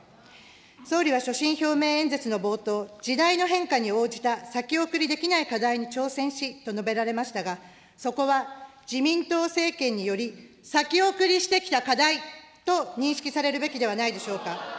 総理は所信表明演説の冒頭、時代の変化に応じた先送りできない課題に挑戦しと述べられましたが、そこは自民党政権により先送りしてきた課題と認識されるべきではないでしょうか。